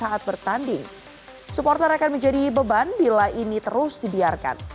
dan saat bertanding supporter akan menjadi beban bila ini terus dibiarkan